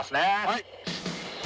はい。